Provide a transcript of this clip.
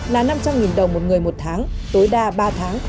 là năm trăm linh đồng một người một tháng tối đa ba tháng